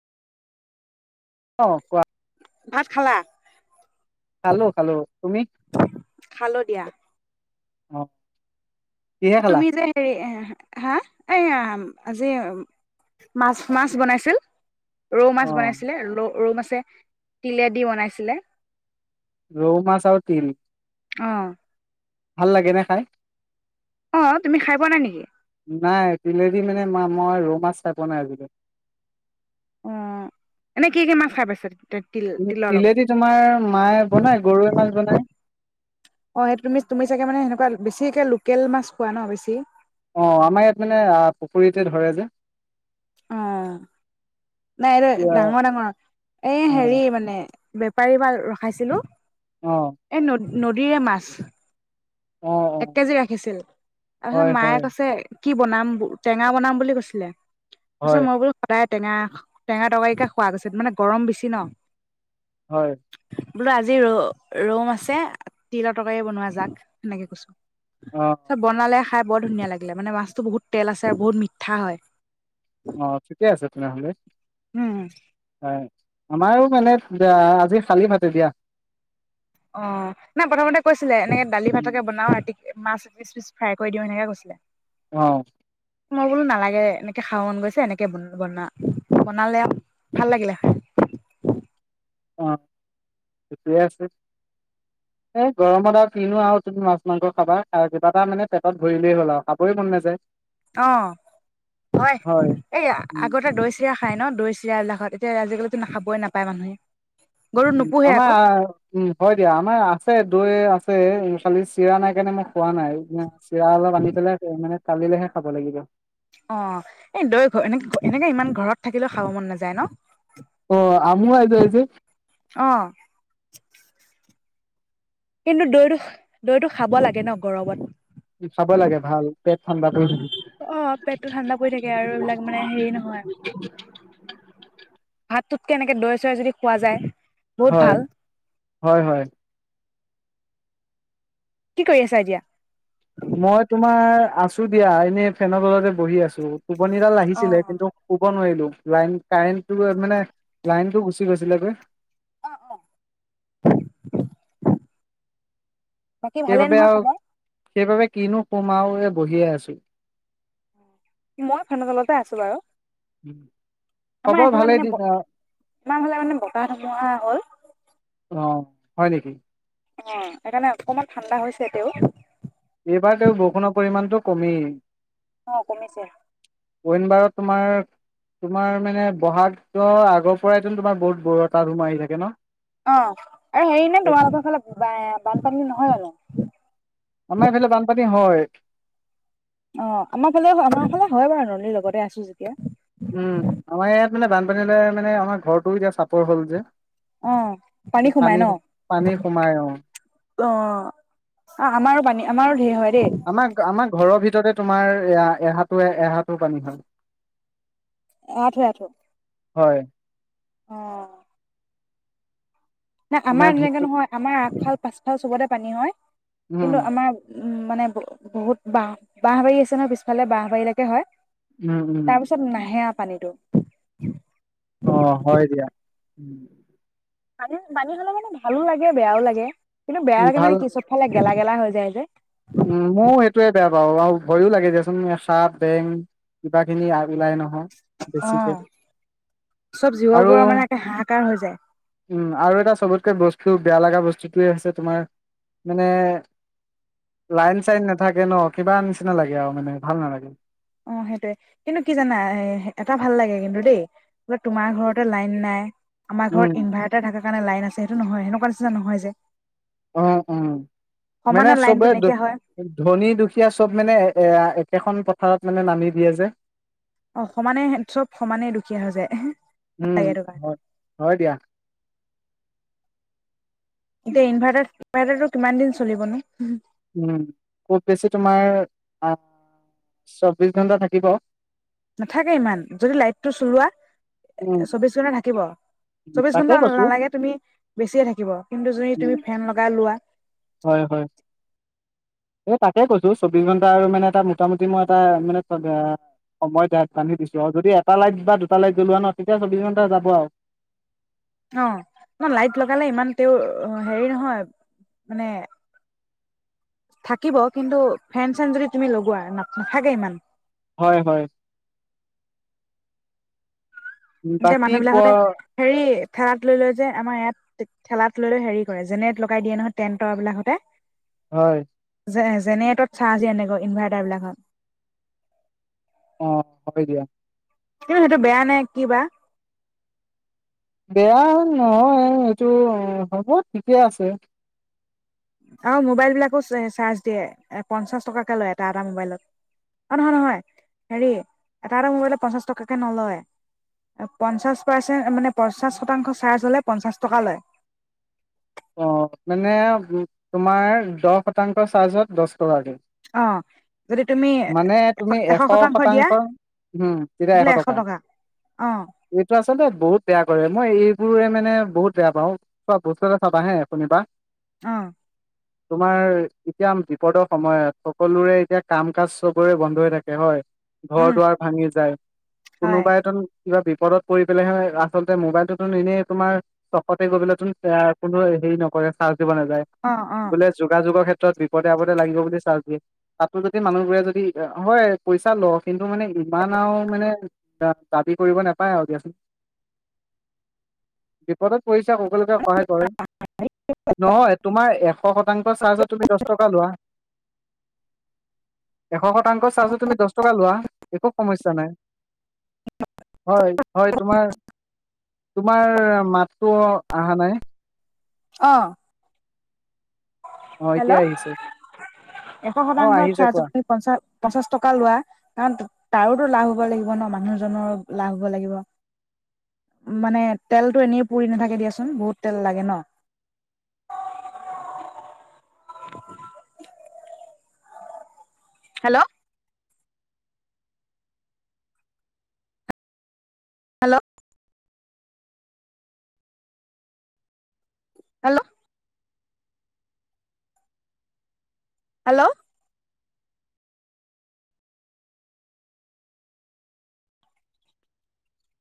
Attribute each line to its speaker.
Speaker 1: অ কোৱা
Speaker 2: ভাত খালা
Speaker 1: খালো খালো তুমি
Speaker 2: খালো দিয়া।
Speaker 1: অ কিহে খালা
Speaker 2: তুমি যে হেৰি হা এই আজি মাছ মাছ বনাইছিল ৰৌ
Speaker 1: অ
Speaker 2: মাছ বনাইছিলে ৰৌ ৰৌ মাছ তিলেদি বনাইছিলে
Speaker 1: ৰৌ মাছ তিল
Speaker 2: অ
Speaker 1: ভাল লাগে নে খাই
Speaker 2: অ তুমি খাই পোৱা নাই নেকি
Speaker 1: নাই তিলেদি মানে মা মই ৰৌ মাছ খাই পোৱা নাই আজিলৈ
Speaker 2: অ এনে কি কি মাছ খাই পাইছে তকি
Speaker 1: তিলেদি তোমাৰ মায়ে বনাই গৰৈৱে মাছ বনাই
Speaker 2: অ সেই তুমি তুমি চাগে মানে সেনেকুৱা বেছিকে লোকেল মাছ খোৱা ন বেছি
Speaker 1: অ আমাৰ ইয়াত মানে পুখুৰীতে ধৰে যে
Speaker 2: অ নাই এইটো
Speaker 1: এতিয়া
Speaker 2: ডাঙৰ ডাঙৰ এ
Speaker 1: অ
Speaker 2: হেৰি মানে পাৰিবা ৰখাইছিলো
Speaker 1: অ
Speaker 2: এই ন নদীৰে মাছ
Speaker 1: অ অ
Speaker 2: এক কেজি ৰাখিছিল তাৰপিছত
Speaker 1: হয়
Speaker 2: মায়ে
Speaker 1: হয়
Speaker 2: কৈছে কি বনাম টেঙা বনাম বুলি কৈছিলে তাৰ পিছত
Speaker 1: হয়
Speaker 2: মই বোলো টেঙা টেঙা তৰাৰিকা খোৱা গৈছে মানে গৰম বেছি ন'।
Speaker 1: হয়।
Speaker 2: বোলো আজি ৰ' ৰৌ আছে তিল তৰকাৰে বনোৱা যাক সেনেকে কৈছো।
Speaker 1: অ
Speaker 2: ত' বনালে খাই বৰ ধুনীয়া লাগিলে মানে মাছটো বহুত তেল আছে আৰু বহুত মিঠা হয়।
Speaker 1: অ', ঠিকে আছে তেনেহ'লে।
Speaker 2: উম
Speaker 1: আমাৰো মানে আজি খালী ভাত এতিয়া।
Speaker 2: অ', নাই প্ৰথমতে কৈছিলে এনেকে দালি
Speaker 1: উম,
Speaker 2: ভাতকে বনাও ৰাতি মাছ পিচ পিছ ফ্ৰাই কৰি দিওঁ এনেকে কৈছিলে।
Speaker 1: অ'।
Speaker 2: মই বোলো নালাগে এনেকে খাব মন গৈছে এনেকেন বনা বনালে ভাল লাগিলে খাই।
Speaker 1: অ', থিকে আছে এ গৰমত আৰু কিনো আৰু তুমি মাছ মাংস খাবা আৰু কিবা এটা মানে পেটত ভৰিলেই হ'ল আৰু খাবই মন নাযায়।
Speaker 2: অ', হয় এই
Speaker 1: উম।
Speaker 2: আগতে দৈ চিৰা খাই ন' দৈ চিৰা বিলাকত তেতিয়া আজিকালিতো না খাবই নাপায় মানুহে। গৰু
Speaker 1: উম,
Speaker 2: নোপোহে আকৌ
Speaker 1: আমৰ উম, হয় দিয়া আমাৰ আছে। দৈ আছে খালি চিৰা নাই কাৰনে মই খোৱা নাই। চিৰা অলপ আনি পেলাই মানে কালিলৈহে খাব লাগিব।
Speaker 2: অ', এই দৈ ঘ এনে এনেকে ইমান ঘৰত থাকিলেও খাব মন নাযায় ন'।
Speaker 1: অ', আমুৱাই যায় যে।
Speaker 2: অ'। কিন্তু দৈটো দৈটো খাব লাগে ন' গৰমত।
Speaker 1: খাব লাগে ভাল পেট ঠাণ্ডা পৰি থাকে।
Speaker 2: অ', পেটটো ঠাণ্ডা পৰি থাকে আৰু এইবিলাক মানে হেৰি নহয়, ভাত তটোত কেনেকে দৈ চৈ যদি খোৱা যায়। বহুত
Speaker 1: হয়,
Speaker 2: ভাল
Speaker 1: হয়, হয়।
Speaker 2: কি কৰি আছা এতিয়া?
Speaker 1: মই তোমাৰ আছো দিয়া এনে ফেনৰ তলতে বহি আছো। টোপনীষডাল
Speaker 2: অ
Speaker 1: লাগিছিলে কিন্তু শুব নোৱাৰিলো। লাইন কাৰেণ্টটো মানে লাইনটো গুচি গৈছিলেগৈ
Speaker 2: অ', অ'। বাকী
Speaker 1: সেই
Speaker 2: ভালে
Speaker 1: বাবে
Speaker 2: নহয়
Speaker 1: আও,
Speaker 2: খবৰ?
Speaker 1: সেই বাবে কিনো শুম আও, এয়া বহিয়ে আছো।
Speaker 2: মই ফেনৰ তলতে আছো বাৰু আমাৰ
Speaker 1: খবৰ
Speaker 2: এফালে
Speaker 1: ভালেই
Speaker 2: মানে
Speaker 1: দি
Speaker 2: ব-আমাৰ এফালে মানে বতাহ ধুমুহা হ'ল
Speaker 1: অ হয় নেকি?
Speaker 2: অ, সেইকাৰণে অকণমান ঠাণ্ডা হৈছে তেও
Speaker 1: এইবাৰ তেওঁ বৰষুণৰ পৰিমাণটো কমেই
Speaker 2: অ কমিছে
Speaker 1: কইনবাৰত তোমাৰ তোমাৰ মানে ব'হাগৰ আগৰ পৰাই তোমাৰ বহুত ব তাত ৰোম আহি থাকে ন
Speaker 2: অ আৰু হেৰি নে তোমালোকৰ ফালে বানপানী নহয় জানো
Speaker 1: আমাৰ এইফালে বানপানী [unintelligible]
Speaker 2: অ আমাৰ ফালেও আমাৰ ফালে হয় বাৰু নলীৰ লগতে আছো যে
Speaker 1: উম আমাৰ ইয়াত মানে বানপানীলে মানে আমাৰ ঘৰটো এতিয়া চাপৰ হ'ল যে
Speaker 2: অ সোমাই ন
Speaker 1: পানী পানী সোমাই অ
Speaker 2: অ আমাৰো পানী আমাৰো ধেৰ হয় দেই
Speaker 1: আমাক আমাৰ ঘৰৰ ভিতৰতে তোমাৰ এহাতটো এহাটো পানী হয়
Speaker 2: এআঠো এআঠো
Speaker 1: হয়
Speaker 2: অ নাই আমাৰ এনেকে নহয় আমাৰ আগফাল পাচফাল চবতে পানী হয়
Speaker 1: উম
Speaker 2: কিন্তু আমাৰ উম মানে বহুত বাহ বহ বাৰী আছে ন পিছফালে বাহ বাৰীলৈকে হয়
Speaker 1: উম উম
Speaker 2: তাৰপিছত নাহে পনটো
Speaker 1: অহ হয় দিয়া
Speaker 2: পানী হ'লে মানে ভালো লাগে বেয়াও লাগে কিন্তু বেয়া লাগো
Speaker 1: ভাল
Speaker 2: মানে কি চবফালে গেলা গেলা হৈ যায় যে
Speaker 1: উম ময়ো সেইটোয়ে বেয়া পাওঁ আৰু ভয়ো লাগে দে চোন সাপ বেং কিবা খিনি ওলাই নহয়
Speaker 2: অ
Speaker 1: বেছিকে
Speaker 2: চব
Speaker 1: আৰু
Speaker 2: জীৱবোৰৰ মানে একে হাহাকাৰ হৈ যায়
Speaker 1: উম আৰু এটা চবতকে বস্তু টো বেয়া লগা বস্তুটয়ে হৈছে তোমাৰ মানে লাইন চাইন নাথাকে ন কিবা নিচিনা লাগে আৰু মানে ভাল নালাগে
Speaker 2: অ সেইটোৱে কিন্তু কি জানা এ এটা ভাল লাগে কিন্তু দেই তোমাৰ ঘৰতে লাইন নাই আমাৰ
Speaker 1: উম
Speaker 2: ঘৰত ইনভাটাৰ থাকা স কাৰণে লাইন আছে সেইটো নহয় সেনেকুৱা নিচিনা নহয় যে
Speaker 1: উ উম মানে
Speaker 2: সমানে লাইনটো
Speaker 1: চবে
Speaker 2: নাইকিয়া হয়
Speaker 1: ধনী দুখীয়া চব মানে এ একেখন থত মানে নামি দিয়ে যে
Speaker 2: অ সমানে চব সমানেই দুখীয়া হৈ যায় হ ভাল
Speaker 1: উম
Speaker 2: লাগে হেটো পা
Speaker 1: হয় হয় দিয়া
Speaker 2: এতিয়া ইনভাৰ্টাৰ ইনভাৰ্টাৰটো কিমান দিন চলিব নো
Speaker 1: উম খুব বেছি তোমাৰ আহ চৌবিশ ঘন্টা থাকিব
Speaker 2: নাথাকে ইমান যদি লাইটটো চলোৱা
Speaker 1: উম
Speaker 2: চৌবিশ ঘন্টা থাকিব চৌবিশ
Speaker 1: তাকে
Speaker 2: ঘন্টা
Speaker 1: কৈছো
Speaker 2: নালাগে তুমি বেছিয়ে থাকিব কিন্তু যদি
Speaker 1: উম
Speaker 2: তুমি ফেন লগাই লোৱা
Speaker 1: হয় হয় এই তাকে কৈছো চৌবিশ ঘন্টা আৰু মানে এটা মোটামুটি মই এটা মানে সময় বান্ধি দিছো আৰু যদি এটা লাইট বা দুটা লাইট জ্বলোৱা ন তেতিয়া চৌবিশ ঘন্টা যাব আৰু
Speaker 2: অ ন লাইট লগালে ইমান তেওঁৰ হেৰি নহয় মানে থাকিব কিন্তু ফেন চেন যদি তুমি লগোৱা ন নাথাকে ইমান
Speaker 1: হয় হয়। উম,
Speaker 2: এতিয়া
Speaker 1: বাকী
Speaker 2: মানুহ
Speaker 1: প
Speaker 2: বিলাক হতে হেৰি ঠেলাত লৈ-লৈ যে আমাৰ ইয়াত ঠেলাত লৈ-লে হেৰি কৰে জেনেৰেট লগাই দিয়ে নহয় টেণ্টৰ বিলাকহতে
Speaker 1: হয়
Speaker 2: যে জেনেৰেটত চাৰ্জ এনেকৈ ইনভাৰ্টাৰ বিলাকত
Speaker 1: অ হয় দিয়া।
Speaker 2: কিন্ত সেইটো বেয়া নে-কি- বা?
Speaker 1: বেয়া নহয়। এইটো হ'ব ঠিকে আছে।
Speaker 2: অ' মোবাইল বিলাকো চাৰ্জ দিয়ে। পঞ্চাশ টকাকে লয় এটা এটা মবাইলত। অ' নহয়- নহয়। হেৰি এটা এটা মবাইলত পঞ্চাছ টকাকে নলয়। পঞ্চাশ পাৰচেন্ট মানে পঞ্চাশ শতাংশ চাৰ্জ হলে পঞ্চাশ টকা লয়।
Speaker 1: অ' মানে তোমাৰ দহ শতাংশ চাৰ্জত দছ এশ টকাকে।
Speaker 2: অ যদি তুমি
Speaker 1: মানে তুমি এশ শতাংশ -উম। তেতিয়া এশ টকা।
Speaker 2: অ
Speaker 1: এইটো আচলতে বহুত বেয়া কৰে। মই এই এইবোৰে মানে বহুত বেয়া পাওঁ। খোৱা বস্তু এ চাবাহে কোনোবা।
Speaker 2: আহ
Speaker 1: তোমাৰ এতিয়া বিপদৰ সময়ত। সকলোৰে এতিয়া কাম কাজ চবৰে বন্ধ হৈ থাকে হয়। ঘৰ
Speaker 2: উম,
Speaker 1: দুৱাৰ ভাঙি যায়।
Speaker 2: হয়,
Speaker 1: কোনোবায়ে তুন। কিবা বিপদত পৰি পেলেহে আচলতে মোবাইলটোতোন এনেই তোমাৰ চখতে গৈ পেলাই তোন কোনো হেৰি নকৰে। চা- নাযায়
Speaker 2: অ', অ',
Speaker 1: বোলে যোগাযোগৰ ক্ষেত্ৰত। - ক্ষেত্ৰত বিপদে- আপদে লাগিব বুলি চাৰ্জ দিয়ে। তাতো যদি মানুহবোৰে যদি হয় পইচা ল, কিন্তু মানে ইমান আৰু মানে দাবী কৰিব নাপায় আৰু দিয়াচোন। বিপদত পইচা সকলোকে সহায় কৰে। নহয়। তোমাৰ এশ শতাংশ চাৰ্জত তুমি দছ টকা লোৱা। [inaudible] এশ শতাংশ চাৰ্জত তুমি দছ টকা লোৱা। একো সমস্যা নাই। হয়। হয়। তোমাৰ - তোমাৰ মাতটো অহা নাই।
Speaker 2: অ
Speaker 1: অ এতিয়া
Speaker 2: হেল্ল'।
Speaker 1: আহিছে
Speaker 2: এশ
Speaker 1: অ
Speaker 2: শতাংশ
Speaker 1: আহিছে কোৱা
Speaker 2: চাৰ্জত তুমি পঞ্চা পঞ্চাছ টকা লোৱা। কাৰণ তাৰোতো লাভ হ'ব লাগিব ন মানুহজনৰো লাভ হ'ব লাগিব। মানে তেলটো এনেই পুৰি নাথাকে দিয়াচোন। বহুত তেল লাগে ন। Hello hello hello hello